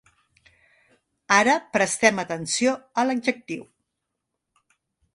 Ara prestem atenció a l'Adjectiu.